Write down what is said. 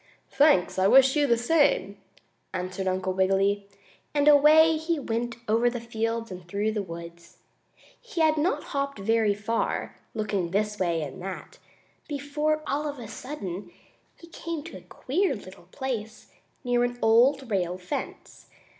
"Thanks, I wish you the same," answered Uncle Wiggily, and away he went over the fields and through the woods. He had not hopped very far, looking this way and that, before, all of a sudden, he came to a queer little place, near an old rail fence.